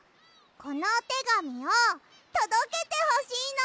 このおてがみをとどけてほしいの！